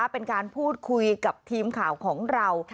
เป็นการพูดคุยกับทีมข่าวของเรา